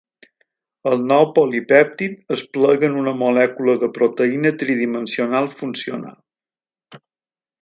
El nou polipèptid es plega en una molècula de proteïna tridimensional funcional.